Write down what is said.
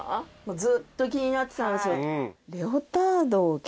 ずっと気になってたんですけど。